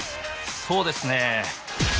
そうですね。